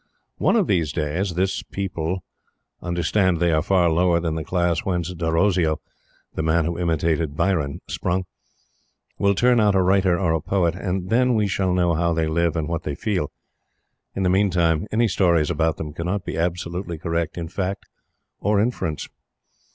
One of these days, this people understand they are far lower than the class whence Derozio, the man who imitated Byron, sprung will turn out a writer or a poet; and then we shall know how they live and what they feel. In the meantime, any stories about them cannot be absolutely correct in fact or inference.